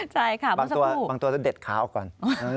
ใช่ขามันสักครู่บางตัวจะเด็ดขาออกก่อน